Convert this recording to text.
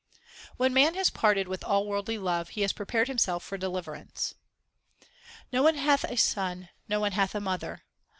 When man has parted with all worldly love, he has prepared himself for deliverance : No one hath a son, no one hath a mother.